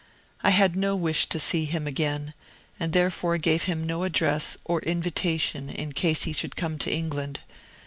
I had no wish to see him again, and therefore gave him no address or invitation in case he should come to England.